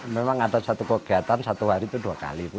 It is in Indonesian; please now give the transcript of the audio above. memang ada satu kegiatan satu hari itu dua kali bu